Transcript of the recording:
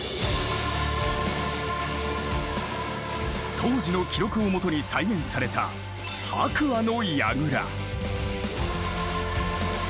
当時の記録をもとに再現された白亜の櫓。